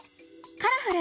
「カラフル！